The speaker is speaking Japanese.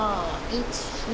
１２。